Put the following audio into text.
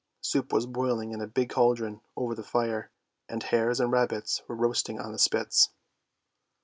Soup was boiling in a big cauldron over the fire, and hares and rabbits were roast ing on the spits.